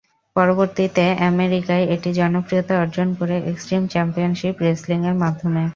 পরবর্তীতে আমেরিকায় এটি জনপ্রিয়তা অর্জন করে এক্সট্রিম চ্যাম্পিয়নশীপ রেসলিং এর মাধ্যমে।